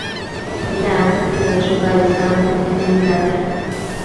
— Да, — кынел шогале самырык механизатор.